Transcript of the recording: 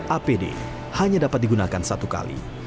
apd hanya dapat digunakan satu kali